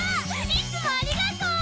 いつもありがとう！